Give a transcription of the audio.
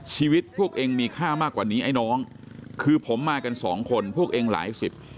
ชีวิตพวกเองมีค่ามากกว่านี้ไอ้น้องคือผมมากันสองคนพวกเองหลายสิบ